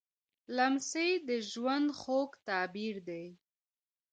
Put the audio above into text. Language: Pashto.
لمسی د ژوند خوږ تعبیر دی.